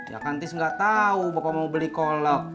ya kan tis nggak tahu bapak mau beli kolep